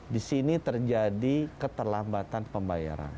di sini terjadi keterlambatan pembayaran